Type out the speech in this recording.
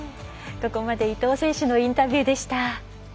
ここまで伊藤選手のインタビューでした。